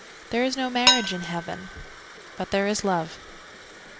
There is no marriage in heaven But there is love.